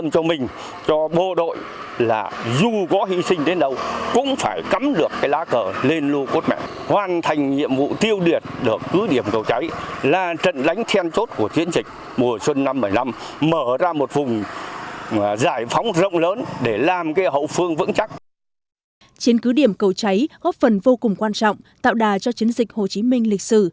chiến cứ điểm cầu cháy góp phần vô cùng quan trọng tạo đà cho chiến dịch hồ chí minh lịch sử